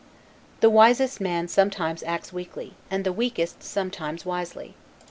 The wisest man sometimes acts weakly, and the weakest sometimes wisely.